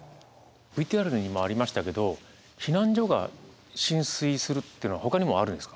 ＶＴＲにもありましたけど避難所が浸水するってのはほかにもあるんですか？